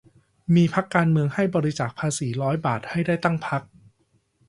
มีพรรคการเมืองให้บริจาคภาษีร้อยบาทให้ได้ตั้ง พรรค